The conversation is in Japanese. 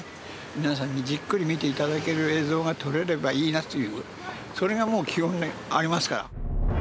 皆さんにじっくり見て頂ける映像が撮れればいいなというそれがもう基本にありますから。